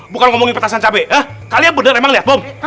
bukan ngomongin petasan cabe kalian bener emang liat bom